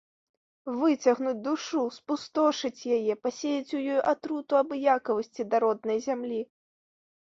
Выцягнуць душу, спустошыць яе, пасеяць у ёй атруту абыякавасці да роднай зямлі.